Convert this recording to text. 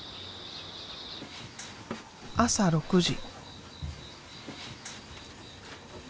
朝６時。